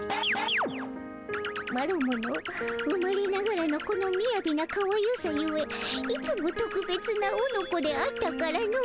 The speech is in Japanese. マロもの生まれながらのこのみやびなかわゆさゆえいつもとくべつなおのこであったからの。